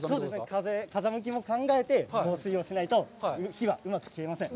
風向きも考えて放水をしないと、火はうまく消えません。